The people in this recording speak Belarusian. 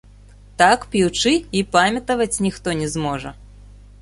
Так п'ючы, і памятаваць ніхто не зможа.